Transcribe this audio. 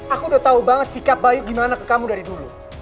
aku udah tahu banget sikap bayu gimana ke kamu dari dulu